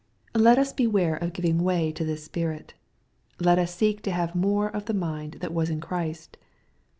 Let us beware of giving way to this spirit. Let us seek to have more of the mind that was in Christ.